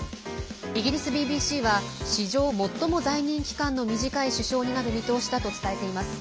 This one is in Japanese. イギリスＢＢＣは、史上最も在任期間の短い首相になる見通しだと伝えています。